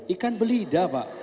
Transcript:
ikan belida pak